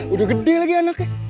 udah gede lagi anaknya